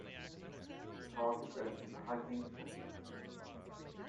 The park is open to hiking and picnicking.